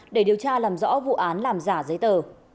để điều tra làm rõ vụ án làm giả giấy tờ